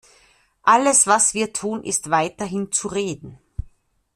Alles was wir tun, ist weiterhin zu reden.